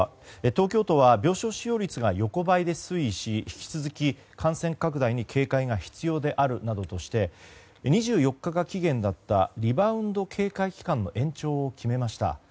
東京都は病床使用率が横ばいで推移し引き続き感染拡大に警戒が必要であるとして２４日が期限だったリバウンド警戒期間の延長を決めました。